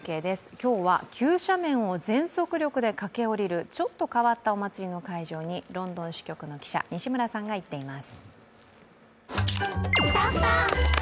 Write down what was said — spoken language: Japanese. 今日は急斜面を全速力で駆け下りるちょっと変わったお祭りの会場に、ロンドン支局の記者西村さんが行っています。